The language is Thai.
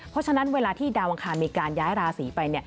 เพราะฉะนั้นเวลาที่ดาวอังคารมีการย้ายราศีไป